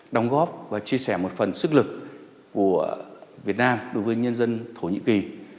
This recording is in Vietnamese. đóng góp và chia sẻ một phần sức lực của việt nam đối với nhân dân thổ nhĩ kỳ